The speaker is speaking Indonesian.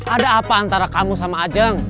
ada apa antara kamu sama ajang